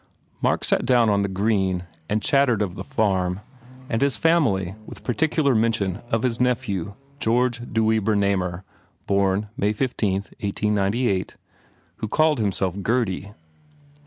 Mark sat down on the green and chattered of the farm, and his family with particular mention of his nephew George Dewey Bernamer (born May 15, 1898) who called himself Gurdy.